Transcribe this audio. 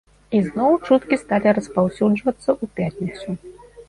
Ізноў чуткі сталі распаўсюджвацца ў пятніцу.